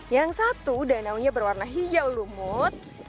yang satu danaunya berwarna hijau lumut